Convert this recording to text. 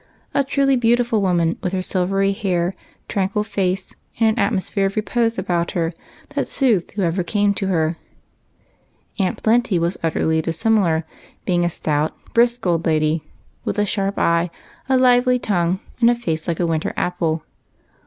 A truly beautiful old maiden, with her silvery hair, tranquil face, and an atmosphere of rejDOse about her that soothed whoever came to her ! Aunt Plenty was utterly dissimilar, being a stout, brisk old lady, with a sharp eye, a lively tongue, and a face like a winter apple.